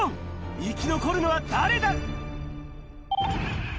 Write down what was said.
生き残るのは誰だ？